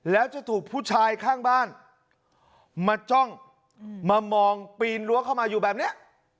แล้วจะถูกผู้ชายข้างบ้านมาจ้องมามองปีนรั้วเข้ามาอยู่แบบนี้